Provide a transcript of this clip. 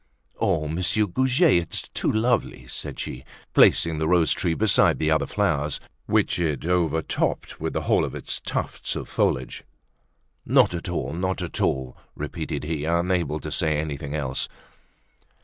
"Oh! Monsieur Goujet, it's too lovely!" said she, placing the rose tree beside the other flowers which it overtopped with the whole of its tuft of foliage. "Not at all, not at all!" repeated he, unable to say anything else.